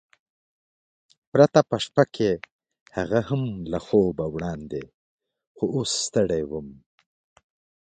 پرته په شپه کې، هغه هم له خوبه وړاندې، خو اوس ستړی وم.